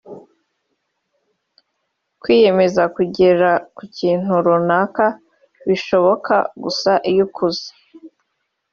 kwiyemeza kugeraku kintu runaka bishoboka gusa iyo ukuze